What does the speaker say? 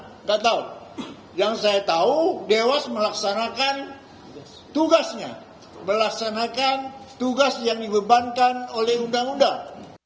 tidak tahu yang saya tahu dewas melaksanakan tugasnya melaksanakan tugas yang dibebankan oleh undang undang